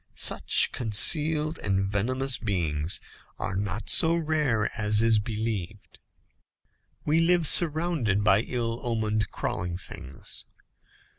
Such concealed and venomous beings are not so rare as is believed. We live surrounded by ill omened crawling things.